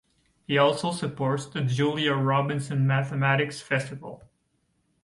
He also supports the Julia Robinson Mathematics Festival.